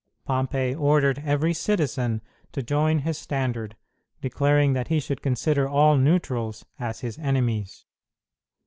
Pompey ordered every citizen to join his standard, declaring that he should consider all neutrals as his enemies.